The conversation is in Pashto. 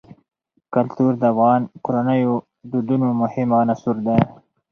کلتور د افغان کورنیو د دودونو مهم عنصر دی.